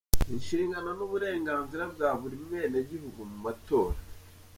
Inshingano n’uburenganzira bya buri mwenegihugu mu matora.